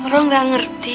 rok gak ngerti